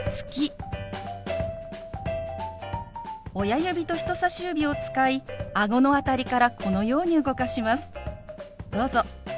親指と人さし指を使いあごの辺りからこのように動かします。